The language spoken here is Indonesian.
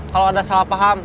kalau ada salah paham